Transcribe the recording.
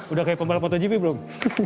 udah kayak pembalap motogp belum